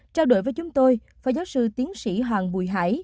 trao đổi với chúng tôi phó giáo sư tiến sĩ hoàng bùi hải